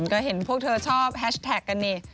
ก็เห็นพวกเธอชอบแฮชแท็กกันนี่